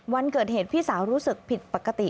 วันเกิดเหตุพี่สาวรู้สึกผิดปกติ